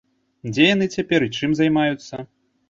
Дзе яны цяпер і чым займаюцца?